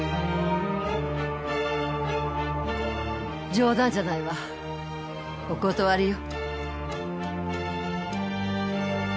冗談じゃないわお断りよ。